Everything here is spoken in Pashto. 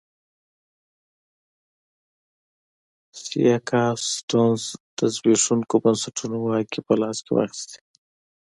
سیاکا سټیونز د زبېښونکو بنسټونو واګې په لاس کې واخیستې.